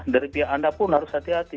dari pihak anda pun harus hati hati